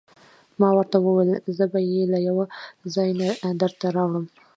ما ورته وویل: زه به يې له یوه ځای نه درته راوړم.